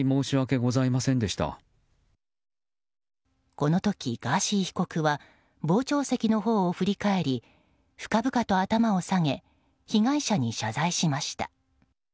この時、ガーシー被告は傍聴席のほうを振り返り深々と頭を下げ被害者に謝罪しました。